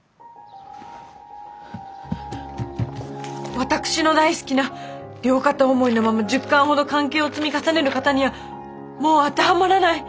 私の大好きな「両片思いのまま１０巻ほど関係を積み重ねる型」にはもう当てはまらない。